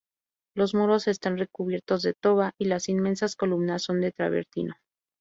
Los muros están recubiertos de toba y las inmensas columnas son de travertino.